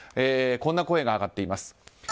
こんな声が上がっています。